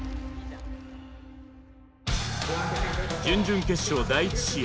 準々決勝第１試合。